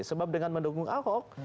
sebab dengan mendukung ahok